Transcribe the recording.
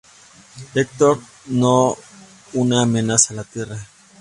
Hector no una amenaza a la tierra.